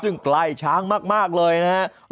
ซึ่งใกล้ช้างมากเลยนะครับ